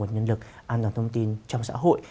nguồn nhân lực an toàn thông tin trong xã hội